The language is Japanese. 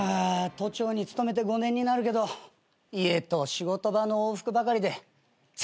都庁に勤めて５年になるけど家と仕事場の往復ばかりで全然刺激がねえな。